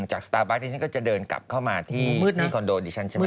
สตาร์บัสที่ฉันก็จะเดินกลับเข้ามาที่คอนโดดิฉันใช่ไหม